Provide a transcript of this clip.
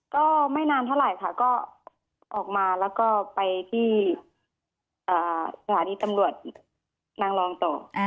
ก็ไม่นานเท่าไหร่ค่ะก็ออกมาแล้วก็ไปที่สถานีตำรวจนางรองต่อ